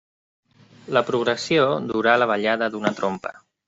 La progressió durà la ballada d'una trompa.